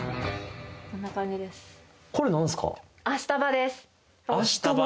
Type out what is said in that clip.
こんな感じです明日葉？